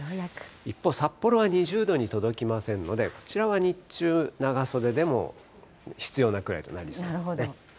一方、札幌は２０度に届きませんので、こちらは日中、長袖でも、必要なくらいになりそうですね。